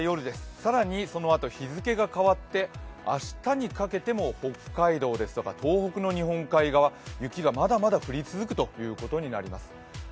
更にこのあと日付が変わって夜、明日にかけても北海道ですとか東北の日本海側、雪がまだまだ降り続くところが多くなります。